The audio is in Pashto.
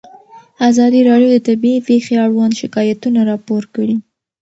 ازادي راډیو د طبیعي پېښې اړوند شکایتونه راپور کړي.